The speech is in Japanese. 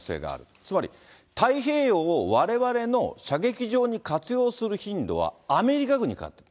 つまり太平洋をわれわれの射撃場に活用する頻度は、アメリカ軍にかかってる。